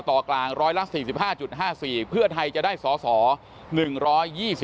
กรกตกลางได้รับรายงานผลนับคะแนนจากทั่วประเทศมาแล้วร้อยละ๔๕๕๔พักการเมืองที่มีแคนดิเดตนายกคนสำคัญ